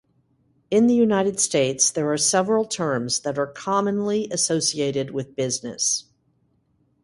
In the United States, there are several terms that are commonly associated with business.